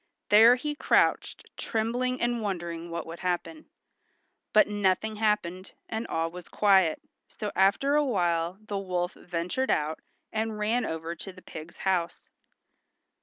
There he crouched, trembling and wondering what would happen. But nothing happened, and all was quiet, so after awhile the wolf ventured out and ran over to the pig's house.